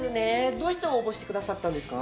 どうして応募してくださったんですか？